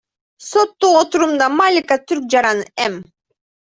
Соттук отурумда Малика түрк жараны М.